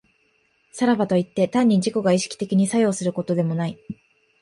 さらばといって、単に自己が意識的に作用することでもない。